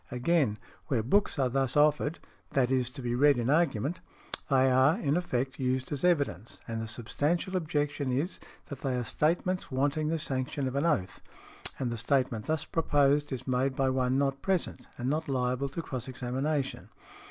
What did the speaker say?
Again, "where books are thus offered (i. e., to be read in argument), they are, in effect, used as evidence, and the substantial objection is, that they are statements wanting the sanction of an oath; and the statement thus proposed is made by one not present, and not liable to cross examination.